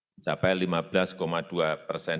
mencapai lima belas dua persen